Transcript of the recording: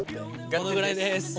このぐらいです。